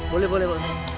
boleh boleh pak ustadz